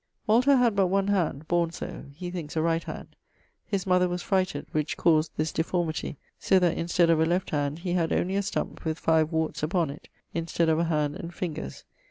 Walter had but one hand (borne so), he thinks a right hand; his mother was frighted, which caused this deformity, so that instead of a left hand, he had only a stump with five warts upon it, instead of a hand and fingers.